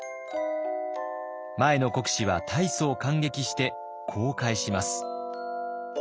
前の国司は大層感激してこう返します。